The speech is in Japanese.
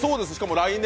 来年！